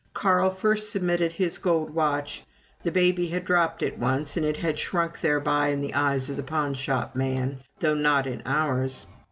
Carl first submitted his gold watch the baby had dropped it once, and it had shrunk thereby in the eyes of the pawnshop man, though not in ours.